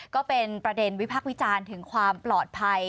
ก็เป็นประเด็นวิพักษ์วิจารณ์ถึงความปลอดภัย